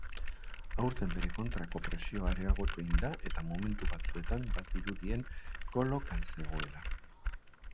Aurten bere kontrako presioa areagotu egin da eta momentu batzuetan bazirudien kolokan zegoela.